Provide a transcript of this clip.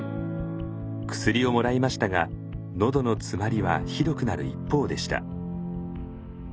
薬をもらいましたがのどの詰まりはひどくなる一方でした。